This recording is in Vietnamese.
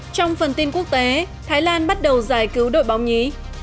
trong phần tin quốc tế thái lan bắt đầu giải cứu đội bóng nhí